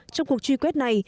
trong cuộc truy quét này